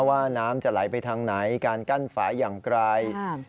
ว่าน้ำจะไหลไปทางไหนการกั้นฝาอย่างไกล